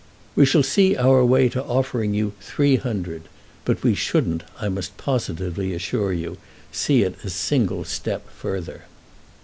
"We shall see our way to offering you three hundred, but we shouldn't, I must positively assure you, see it a single step further."